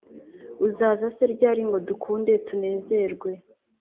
uzaza se ryari ngo dukunde tunezerwe